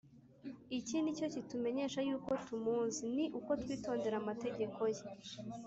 Iki ni cyo kitumenyesha yuko tumuzi, ni uko twitondera amategeko ye.